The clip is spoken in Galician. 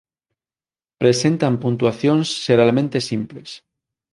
Presentan puntuacións xeralmente simples.